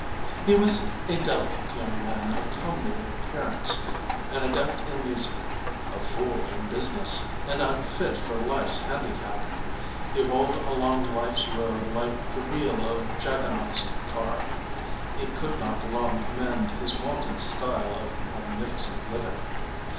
He was a delicate young man of comely appearance, an adept in music, a fool in business, and unfit for life's handicap. He rolled along life's road like the wheel of Jagannath's car. He could not long command his wonted style of magnificent living.